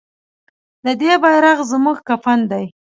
د دې بیرغ زموږ کفن دی